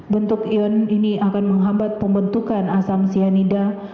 bentuk ion ini akan menghambat pembentukan asam cyanida